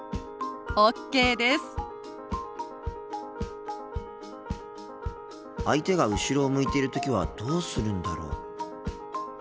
心の声相手が後ろを向いている時はどうするんだろう？